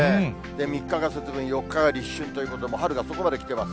３日が節分、４日が立春ということで、春がそこまで来ています。